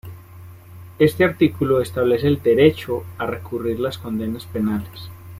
Este artículo establece el derecho a recurrir las condenas penales.